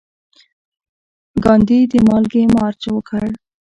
ګاندي د مالګې مارچ وکړ.